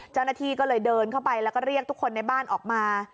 เจ้าหน้าที่ก็เลยเดินเข้าไปแล้วก็เรียกทุกคนในบ้านออกมา